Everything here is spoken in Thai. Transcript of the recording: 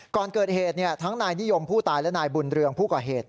ก่อนเกิดเหตุทั้งนายนิยมผู้ตายและนายบุญเรืองผู้ก่อเหตุ